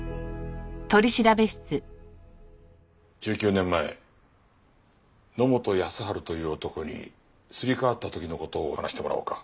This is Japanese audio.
１９年前野本康治という男にすり替わった時の事を話してもらおうか。